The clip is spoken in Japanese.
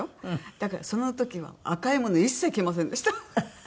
だからその時は赤いもの一切着ませんでした。